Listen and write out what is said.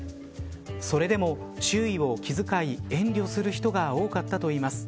それでも、周囲を気遣い遠慮する人が多かったといいます。